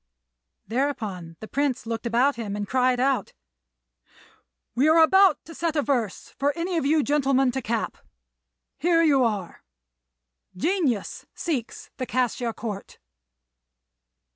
Thereupon the Prince looked about him and cried out, "We are about to set a verse for any of you gentlemen to cap; here you are: 'Genius seeks the Cassia Court.